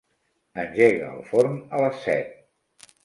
Engega el forn a les set.